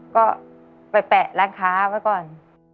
ก็ไปแปะร้านค้าไว้ก่อน